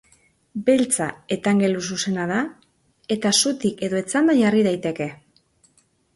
Beltza eta angeluzuzena da, eta zutik edo etzanda jarri daiteke.